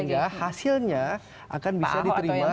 sehingga hasilnya akan bisa diterima